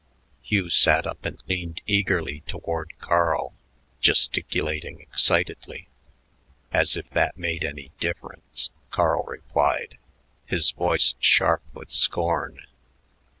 Hugh sat up and leaned eagerly toward Carl, gesticulating excitedly. "As if that made any difference," Carl replied, his voice sharp with scorn.